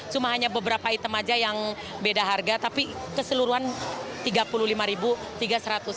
cuma hanya beberapa item aja yang beda harga tapi keseluruhan rp tiga puluh lima rp tiga seratus